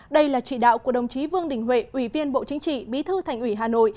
đây là trị đạo của đồng chí vương đình huệ ủy viên bộ chính trị bí thư thành ủy hà nội